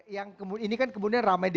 yang kemudian ini kan ramai di